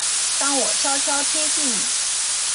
当我悄悄贴近你